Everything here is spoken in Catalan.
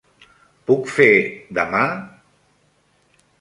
Puc fer, demà?